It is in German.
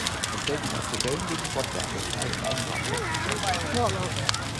Er stellt ihn als Rebellen gegen Gott dar, der frei und eigenverantwortlich entscheiden möchte.